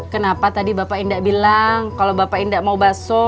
kenapa tadi bapak indah bilang kalau bapak indah mau baso